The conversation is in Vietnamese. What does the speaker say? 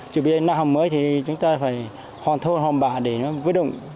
chuẩn bị làm học mới thì chúng ta phải hòn thôn hòn bạ để nó vứt đồng